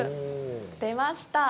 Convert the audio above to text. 出ました。